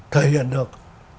thời hiện được